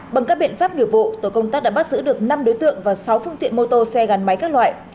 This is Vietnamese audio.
bằng các biện pháp nghiệp vụ tổ công tác đã bắt giữ được năm đối tượng và sáu phương tiện mô tô xe gắn máy các loại